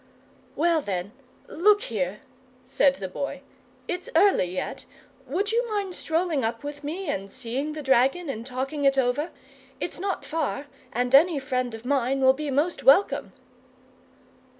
"Well, then, look here," said the Boy, "it's early yet would you mind strolling up with me and seeing the dragon and talking it over? It's not far, and any friend of mine will be most welcome."